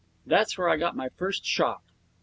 That's where I got my first shock.